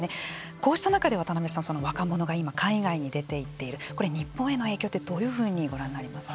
こうした中で渡辺さん若者が今、海外に出ていっているこれ、日本への影響ってどういうふうにご覧になりますか。